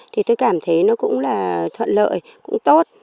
thì tôi cảm thấy nó cũng là thuận lợi cũng tốt